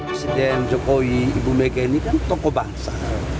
presiden jokowi ibu mega ini kan tokoh bangsa